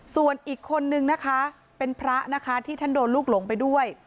ส่วนอีกคนนึงนะคะเป็นพระนะคะที่ท่านโดนลูกหลงไปด้วย